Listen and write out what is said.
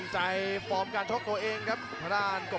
ประเภทมัยยังอย่างปักส่วนขวา